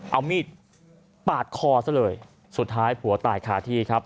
เอามีดปาดคอซะเลยสุดท้ายผัวตายคาที่ครับ